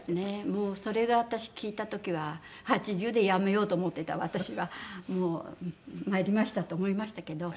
もうそれで私聞いた時は８０でやめようと思ってた私はもうまいりましたと思いましたけど。